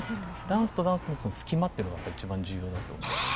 ダンスとダンスのその隙間っていうのがやっぱり一番重要だと思うので。